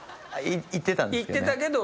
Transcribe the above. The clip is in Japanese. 行ってたんですけど。